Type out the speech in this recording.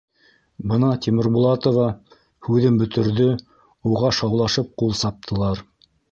Бына Тимербулатова һүҙен бөтөрҙө, уға шаулашып ҡул саптылар.